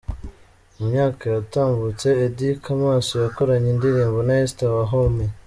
Mu myaka yatambutse Eddy Kamoso yakoranye indirimbo na Esther Wahome.